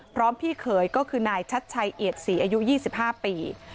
พี่เขยก็คือนายชัดชัยเอียดศรีอายุ๒๕ปี